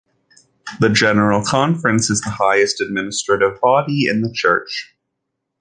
The General Conference is the highest administrative body in the church.